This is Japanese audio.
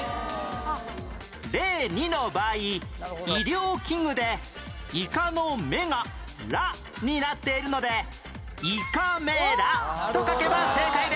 例２の場合医療器具でイカの目が「ラ」になっているので胃カメラと書けば正解です